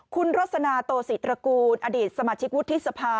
คุณรสนาโตศิตระกูลอดีตสมาชิกวุฒิสภา